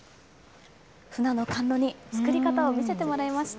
ふなの甘露煮、作り方を見せてもらいました。